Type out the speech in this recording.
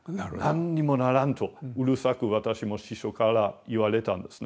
何にもならんとうるさく私も師匠から言われたんですね。